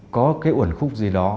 có cái ổn khúc gì đó